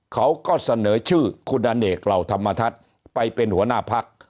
เขาก็เสนอชื่อคุณอเนกเหล่าธรรมทัศน์ไปเป็นหัวหน้าพัก